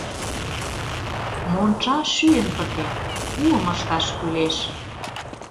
Монча шӱйын пытен, уым ышташ кӱлеш.